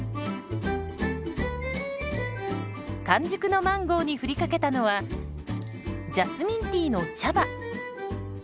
完熟のマンゴーに振りかけたのはジャスミンティーの茶葉。